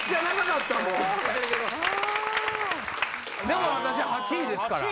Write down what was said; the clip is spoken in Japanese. でも私８位ですから。